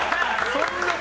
そんなに！